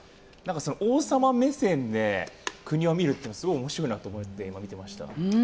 王様目線で国を見るというのがすごい面白いなと思って今、見ていました。